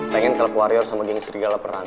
pengen kelp warrior sama geng serigala perang